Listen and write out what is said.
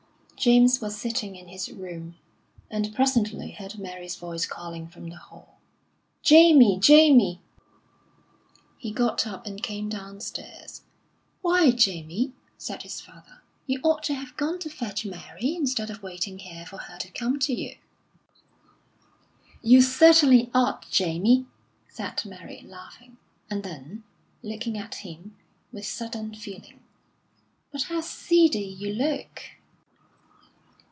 James was sitting in his room, and presently heard Mary's voice calling from the hall. "Jamie! Jamie!" He got up and came downstairs. "Why, Jamie," said his father, "you ought to have gone to fetch Mary, instead of waiting here for her to come to you." "You certainly ought, Jamie," said Mary, laughing; and then, looking at him, with sudden feeling: "But how seedy you look!"